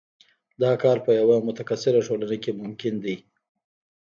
دا کار په یوه متکثره ټولنه کې ممکنه ده.